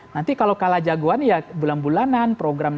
nanti kalau kalah jagoan ya bulan bulanan program